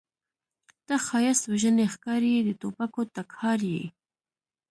ته ښایست وژنې ښکارې یې د توپکو ټکهار یې